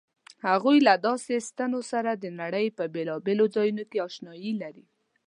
هغوی له داسې ستنو سره د نړۍ په بېلابېلو ځایونو کې آشنايي لري.